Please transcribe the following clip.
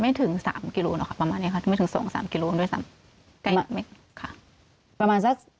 ไม่ถึง๓กิโลกรัมค่ะ